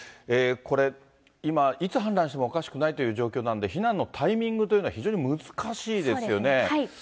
これ、今、いつ氾濫してもおかしくないという状況なので、避難のタイミングというのは非常に難しいですよね。